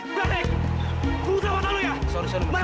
tidak ada dia